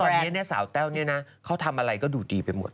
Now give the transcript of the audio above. เพราะตอนนี้เนี่ยสาวแต้วเนี่ยนะเค้าทำอะไรก็ดูดีไปหมดเนี่ย